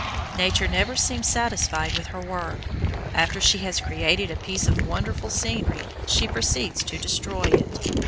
Nature never seems satisfied with her work. After she has created a piece of wonderful scenery she proceeds to destroy it.